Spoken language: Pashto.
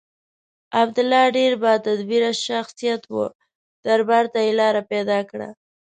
عبدالله ډېر با تدبیره شخصیت و دربار ته یې لاره پیدا کړه.